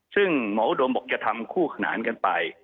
ซึ่งหมออุดมบอกจะทำคู่ขนานกันไป